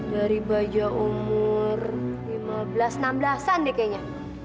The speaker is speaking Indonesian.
dari baja umur lima belas enam belas an deh kayaknya